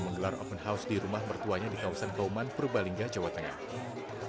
menggelar open house di rumah mertuanya di kawasan kauman purbalingga jawa tengah